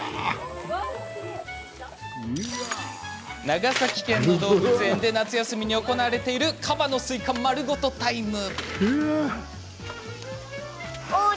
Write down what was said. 長崎県の動物園で夏休みに行われているカバのスイカ丸ごとタイム。